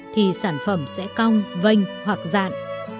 thì sản phẩm sẽ cong vênh hoặc giạn